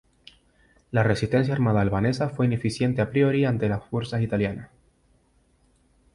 La resistencia armada albanesa fue ineficiente a priori ante las fuerzas italianas.